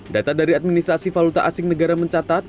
data dari administrasi valuta asing negara mencatat